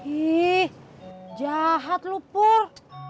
ih jahat lo pur